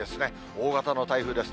大型の台風です。